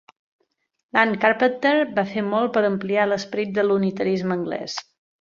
Lant Carpenter va fer molt per ampliar l'esperit de l'unitarisme anglès.